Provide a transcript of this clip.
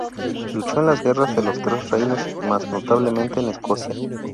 Luchó en las guerras de los Tres Reinos, más notablemente en Escocia.